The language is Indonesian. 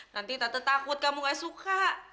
nanti tante takut kamu gak suka